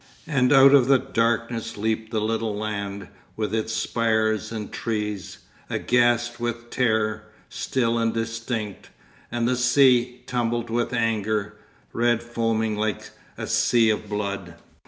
And out of the darkness leapt the little land, with its spires and trees, aghast with terror, still and distinct, and the sea, tumbled with anger, red foaming like a sea of blood....